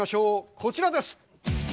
こちらです。